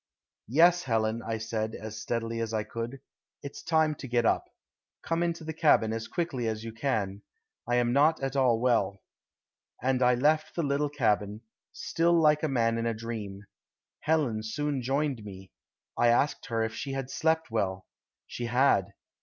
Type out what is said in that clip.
"Yes, Helen," I said, as steadily as I could. "It's time to get up. Come into the cabin as quickly as you can. I am not at all well." And I left the little cabin, still like a man in a dream. Helen soon joined me. I asked her if she had slept well. She had.